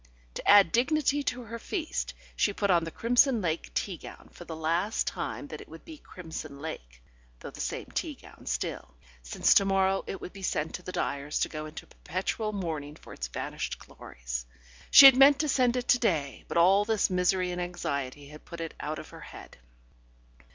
To add dignity to her feast, she put on the crimson lake tea gown for the last time that it would be crimson lake (though the same tea gown still), since to morrow it would be sent to the dyer's to go into perpetual mourning for its vanished glories. She had meant to send it to day, but all this misery and anxiety had put it out of her head.